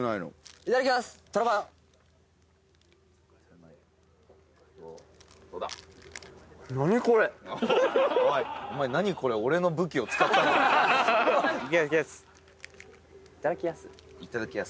「いただきやす」？